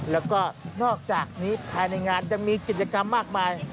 แล้วก็นอกจากนี้ภายในงานยังมีกิจกรรมมากมาย